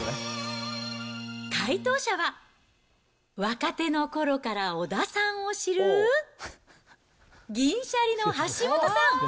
解答者は、若手のころから小田さんを知る銀シャリの橋本さん。